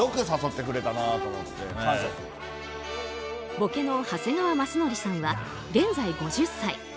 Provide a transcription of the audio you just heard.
ボケの長谷川雅紀さんは現在、５０歳。